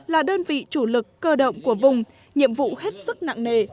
là đơn vị chủ lực cơ động của vùng nhiệm vụ hết sức nặng nề